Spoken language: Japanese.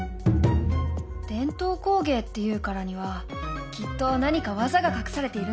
伝統工芸っていうからにはきっと何か技が隠されているんだよ。